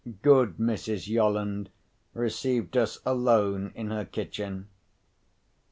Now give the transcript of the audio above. Good Mrs. Yolland received us alone in her kitchen.